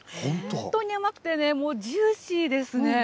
本当に甘くてね、もうジューシーですね。